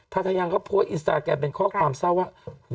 ทาทะยังเขาโพสต์อินสตาแกรมเป็นข้อความเศร้าว่า